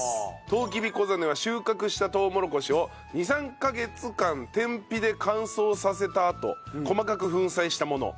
とうきびこざねは収獲したとうもろこしを２３カ月間天日で乾燥させたあと細かく粉砕したもの。